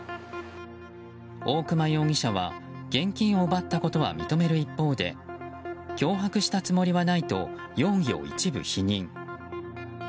大熊容疑者は現金を奪ったことは認める一方で脅迫したつもりはないと容疑を一部否認。